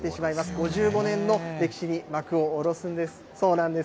５５年の歴史に幕を下ろすんです。